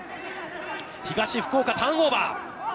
東福岡、ターンオーバー。